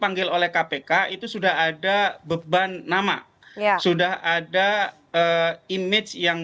yang kedua kalau perkara itu tidak cukup alat bukti tetapi tetap diproses sekadar untuk memanggil orang